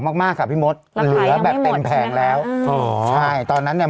มากมากค่ะพี่มดเหลือแบบเต็มแผงแล้วอ๋อใช่ตอนนั้นเนี้ย